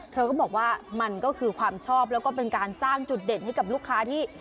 เธอก็บอกว่ามันก็คือความชอบแล้วก็เป็นการสร้างจุดเด่นให้กับลูกค้าที่